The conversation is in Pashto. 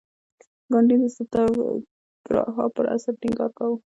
ګاندي د ساتیاګراها پر اصل ټینګار کاوه.